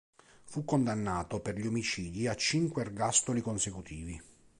Fu condannato per gli omicidi a cinque ergastoli consecutivi.